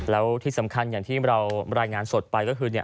แล้วที่สำคัญอย่างที่เรารายงานสดไปก็คือ